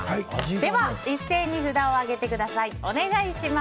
では一斉に札を上げてください！